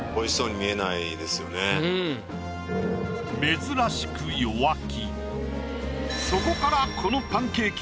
珍しく弱気。